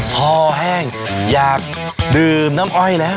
พอแห้งอยากดื่มนำออยล่ะ